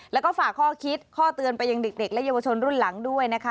แล้วก็ฝากข้อคิดข้อเตือนไปยังเด็กและเยาวชนรุ่นหลังด้วยนะคะ